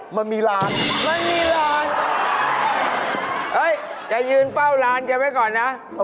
มันมีร้าน